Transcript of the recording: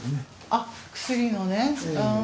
あっ薬のね。